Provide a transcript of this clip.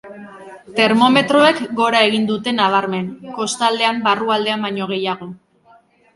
Termometroek gora egin dute nabarmen, kostaldean barrualdean baino gehiago.